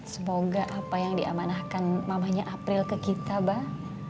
semoga apa yang diamanahkan mamahnya april ke kita abah